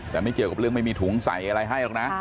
แต่ไม่เกี่ยวกับเรื่องไม่มีถุงใส่อะไรให้หรอกนะ